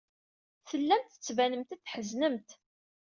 Tellamt tettbanemt-d tḥeznemt.